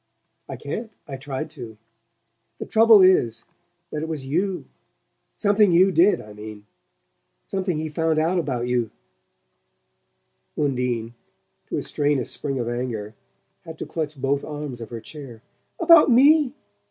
"I can't. I tried to. The trouble is that it was YOU something you did, I mean. Something he found out about you " Undine, to restrain a spring of anger, had to clutch both arms of her chair. "About me?